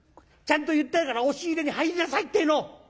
ちゃんと言ってやるから押し入れに入りなさいってえの！